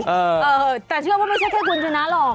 เออแต่เชื่อว่าไม่ใช่แค่คุณชนะหรอก